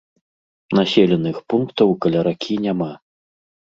Населеных пунктаў каля ракі няма.